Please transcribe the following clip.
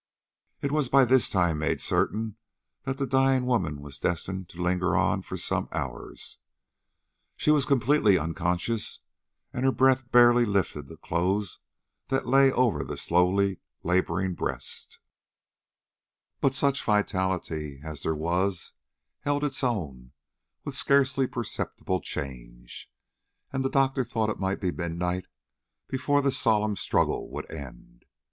It was by this time made certain that the dying woman was destined to linger on for some hours. She was completely unconscious, and her breath barely lifted the clothes that lay over the slowly laboring breast; but such vitality as there was held its own with scarcely perceptible change, and the doctor thought it might be midnight before the solemn struggle would end.